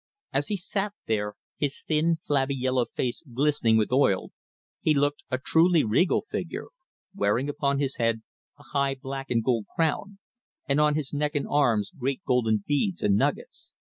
As he sat there, his thin flabby yellow face glistening with oil, he looked a truly regal figure, wearing upon his head a high black and gold crown, and on his neck and arms great golden beads and nuggets.